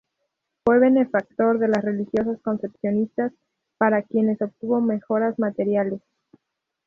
Fue benefactor de las religiosas "Concepcionistas", para quienes obtuvo mejoras materiales.